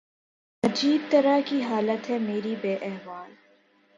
عجیب طرح کی حالت ہے میری بے احوال